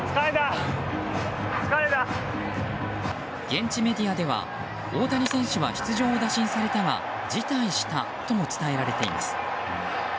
現地メディアでは大谷選手は出場を打診されたが辞退したとも伝えられています。